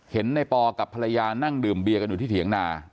เห็นในปอกับภรรยานั่งดื่มเบียกันอยู่ที่เถียงนา